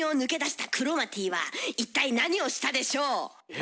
え？